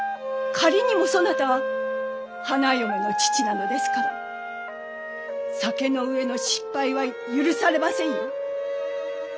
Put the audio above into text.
仮にもそなたは花嫁の父なのですから酒の上の失敗は許されませんよ。